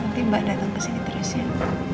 nanti mbak datang kesini terus ya